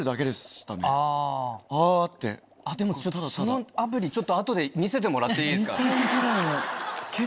でもそのアプリちょっと後で見せてもらっていいですか？